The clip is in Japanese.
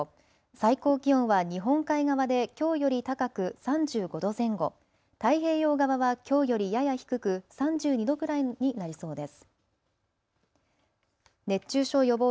最高気温は日本海側できょうより高く３５度前後、太平洋側はきょうよりやや低く３２度くらいになりそうです。